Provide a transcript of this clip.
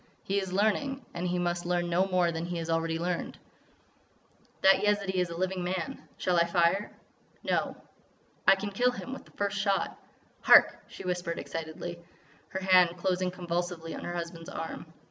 He is learning.... And he must learn no more than he has already learned." "That Yezidee is a living man. Shall I fire?" "No." "I can kill him with the first shot." "Hark!" she whispered excitedly, her hand closing convulsively on her husband's arm.